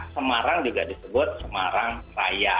semarang juga disebut semarang raya